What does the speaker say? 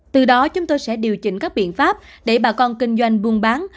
từ đó chúng tôi sẽ điều chỉnh các biện pháp để bà con kinh doanh buôn bán